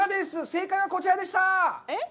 正解はこちらでした。